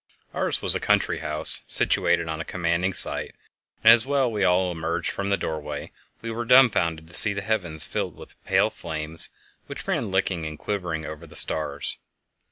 Ours was a country house situated on a commanding site, and as we all emerged from the doorway we were dumbfounded to see the heavens filled with pale flames which ran licking and quivering over the stars.